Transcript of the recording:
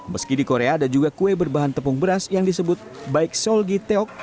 meski di korea ada juga kue berbahan tepung beras yang disebut baik solgi teok